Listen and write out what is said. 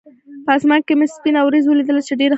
په اسمان کې مې سپینه ورېځ ولیدله، چې ډېره ښکلې وه.